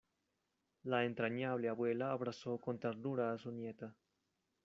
La entrañable abuela abrazó con ternura a su nieta.